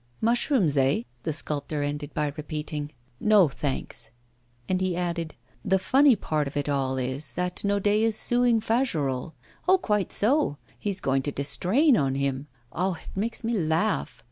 'Mushrooms, eh?' the sculptor ended by repeating. 'No, thanks.' And he added: 'The funny part of it all is, that Naudet is suing Fagerolles. Oh, quite so! he's going to distrain on him. Ah! it makes me laugh!